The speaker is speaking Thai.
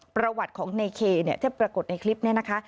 ประวัติของในเคที่ปรากฏในคลิปนี้นะคะ